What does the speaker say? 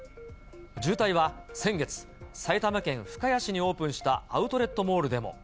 渋滞は先月、埼玉県深谷市にオープンしたアウトレットモールでも。